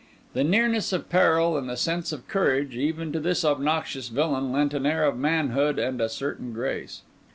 The nearness of peril, and the sense of courage, even to this obnoxious villain, lent an air of manhood and a certain grace.